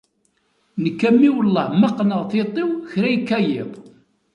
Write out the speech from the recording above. Nekk a mmi welleh ma qqneɣ tiṭ-iw kra yekka yiḍ.